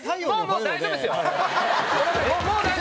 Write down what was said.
もう大丈夫ですよ！